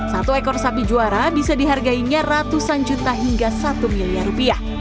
satu ekor sapi juara bisa dihargainya ratusan juta hingga satu miliar rupiah